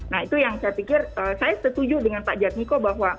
nah itu yang saya pikir saya setuju dengan pak jadmiko bahwa